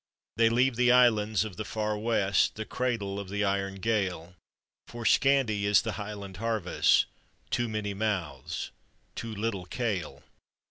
They leave the islands of the far West, The cradle of the iron Gael — For scanty is the Highland harvest, Too many mouths — too little kale.